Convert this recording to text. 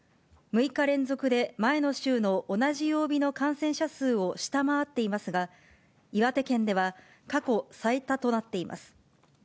６日連続で、前の週の同じ曜日の感染者数を下回っていますが、岩手県では、過去最多となっています。